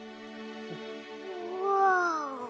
うわ。